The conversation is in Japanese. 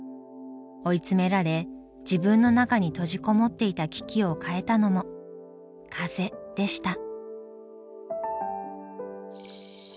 追い詰められ自分の中に閉じ籠もっていたキキを変えたのも風でした。